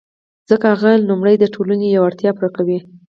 ځکه هغه لومړی د ټولنې یوه اړتیا پوره کوي